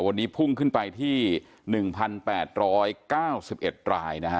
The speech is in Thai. วันนี้พุ่งขึ้นไปที่๑๘๙๑รายนะฮะ